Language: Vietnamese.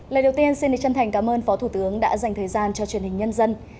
lời đầu tiên xin chân thành cảm ơn phó thủ tướng đã dành thời gian cho truyền hình nhân dân